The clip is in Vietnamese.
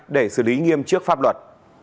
để xử lý nghiêm trước pháp luật